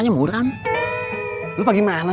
itu bukan sekolah di italia